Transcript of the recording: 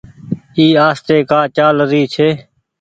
اي آستي ڪآ چآل ري ڇي۔